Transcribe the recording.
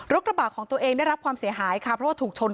กระบะของตัวเองได้รับความเสียหายค่ะเพราะว่าถูกชน